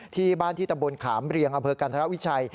ที่บ้านที่ตะบนขามเรียงอเภอกรรภาพวิชัย